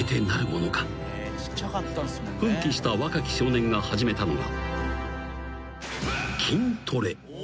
［奮起した若木少年が始めたのが］